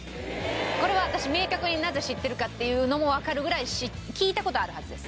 これは私明確になぜ知ってるかっていうのもわかるぐらい聴いた事あるはずです。